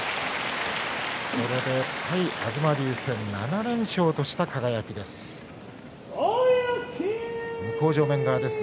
これで対東龍戦７連勝とした輝です。